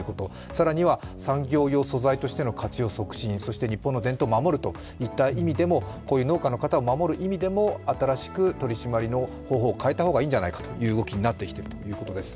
更には産業用素材としての活用促進そして日本の伝統を守るといった意味でもこういう農家の方を守る意味でも新しく取り締まりの方法を変えた方がいいんではないかという動きになっているということです。